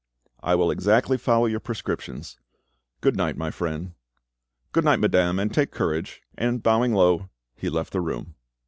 "I will exactly follow your prescriptions. Goodnight, my friend." "Good night, madame; and take courage"; and bowing low, he left the room.